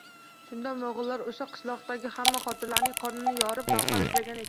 Shunda móg'ullar ósha qishloqdagi hamma xotinlarning qornini yorib, gavhar izlagan ekan